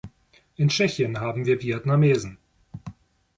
In Tschechien haben wir Vietnamesen.